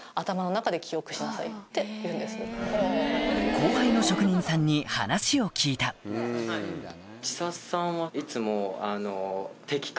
後輩の職人さんに話を聞いたサツマイモ？